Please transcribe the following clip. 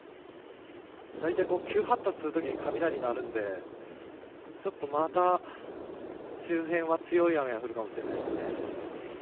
だいたい急発達するときに雷が鳴るのでまた周辺は、強い雨が降るかもしれないですね。